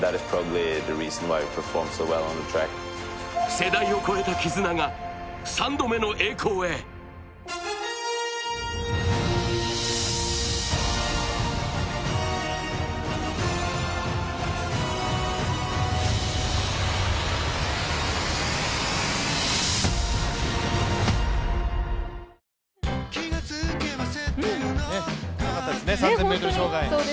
世代を超えた絆が３度目の栄光へよかったですね、３０００ｍ障害。